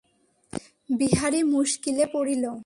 বিহারী মুশকিলে পড়িল।